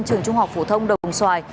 trường trung học phổ thông đồng xoài